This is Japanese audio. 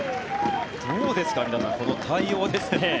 どうですか皆さんこの対応です。